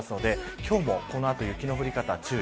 今日もこの後、雪の降り方注意。